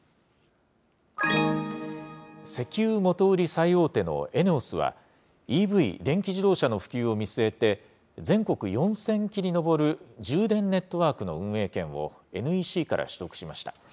石油元売り最大手のＥＮＥＯＳは、ＥＶ・電気自動車の普及を見据えて、全国４０００基に上る充電ネットワークの運営権をＮＥＣから取得しました。